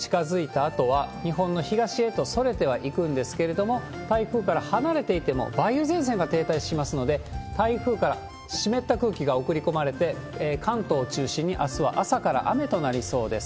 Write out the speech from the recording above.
あとは、日本の東へとそれては行くんですけれども、台風から離れていても、梅雨前線が停滞しますので、台風から湿った空気が送り込まれて、関東を中心に、あすは朝から雨となりそうです。